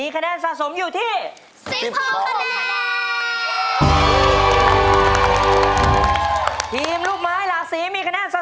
ครับ